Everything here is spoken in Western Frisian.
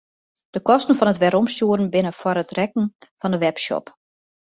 De kosten fan it weromstjoeren binne foar rekken fan de webshop.